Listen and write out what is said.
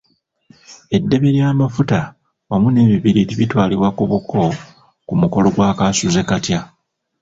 Eddebe lya mafuta wamu n'ebibiriiti bitwalibwa ku buko ku mukola gwa kaasuzekatya.